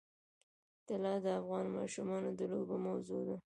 طلا د افغان ماشومانو د لوبو موضوع ده.